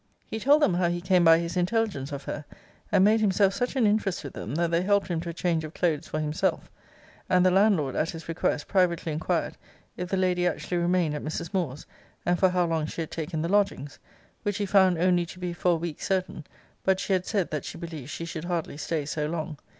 'He told them how he came by his intelligence of her; and made himself such an interest with them, that they helped him to a change of clothes for himself; and the landlord, at his request, privately inquired, if the lady actually remained at Mrs. Moore's, and for how long she had taken the lodgings? which he found only to be for a week certain; but she had said, that she believed she should hardly stay so long.